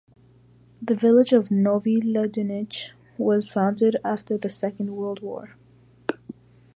The village of Novi Ledinci was founded after the Second World War.